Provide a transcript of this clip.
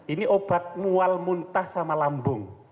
ini obat mual muntah sama lambung